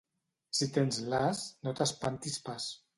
Si tens l'as, no t'espantis pas.